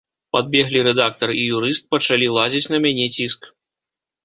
Падбеглі рэдактар і юрыст, пачалі ладзіць на мяне ціск.